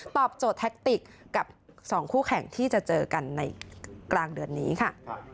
โจทย์แท็กติกกับ๒คู่แข่งที่จะเจอกันในกลางเดือนนี้ค่ะ